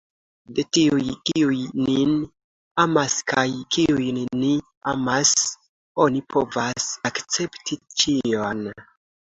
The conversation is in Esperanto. De tiuj, kiuj nin amas kaj kiujn ni amas, oni povas akcepti ĉion.